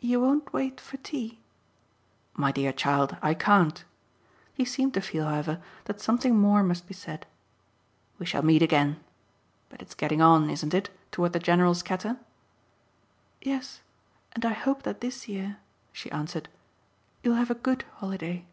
"You won't wait for tea?" "My dear child, I can't." He seemed to feel, however, that something more must be said. "We shall meet again. But it's getting on, isn't it, toward the general scatter?" "Yes, and I hope that this year," she answered, "you'll have a good holiday."